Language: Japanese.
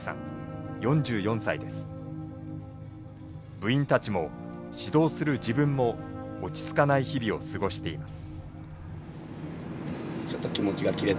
部員たちも指導する自分も落ち着かない日々を過ごしています。